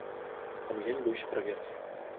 Таму я не баюся праверкі.